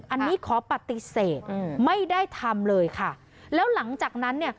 อันนี้ขอปฏิเสธอืมไม่ได้ทำเลยค่ะแล้วหลังจากนั้นเนี่ย